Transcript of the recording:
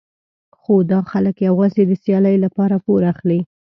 خو دا خلک یوازې د سیالۍ لپاره پور اخلي.